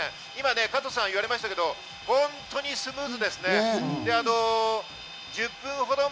今、加藤さんが言われましたけど、本当にスムーズです。